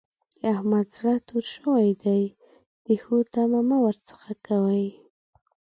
د احمد زړه تور شوی دی؛ د ښو تمه مه ور څځه کوئ.